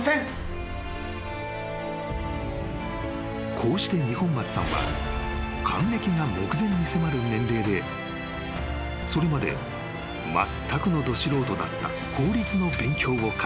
［こうして二本松さんは還暦が目前に迫る年齢でそれまでまったくのど素人だった］